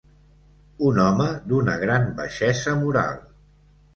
Un home d'una gran baixesa moral.